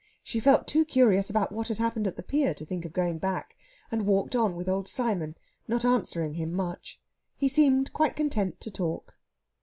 She felt too curious about what had happened at the pier to think of going back, and walked on with old Simon, not answering him much. He seemed quite content to talk.